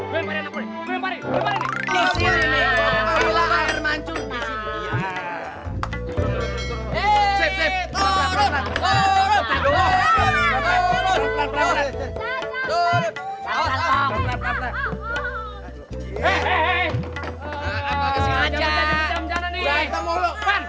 daulah air mancun disini ya